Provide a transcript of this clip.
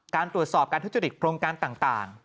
การตรวจสอบการทุจริตโครงการต่าง